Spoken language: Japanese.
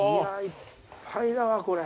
いっぱいだわこれ。